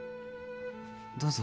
どうぞ。